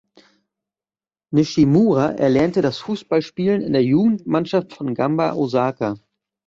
Nishimura erlernte das Fußballspielen in der Jugendmannschaft von Gamba Osaka.